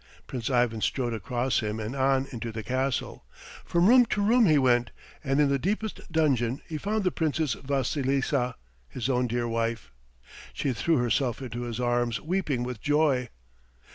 Prince Ivan strode across him and on into the castle. From room to room he went, and in the deepest dungeon he found the Princess Vasilisa, his own dear wife. She threw herself into his arms, weeping with joy.